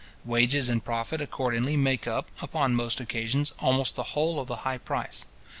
Wages and profit accordingly make up, upon most occasions, almost the whole of the high price.